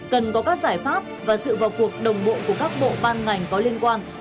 cần có các giải pháp và sự vào cuộc đồng bộ của các bộ ban ngành có liên quan